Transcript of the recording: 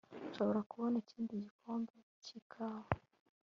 nshobora kubona ikindi gikombe cy'ikawa